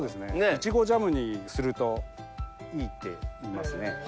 いちごジャムにするといいっていいますね。